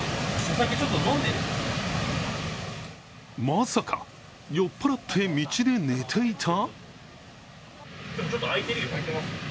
まさか酔っ払って道で寝ていた？